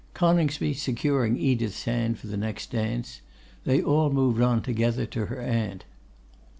Coningsby securing Edith's hand for the next dance, they all moved on together to her aunt.